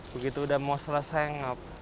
begitu udah mau selesai ngap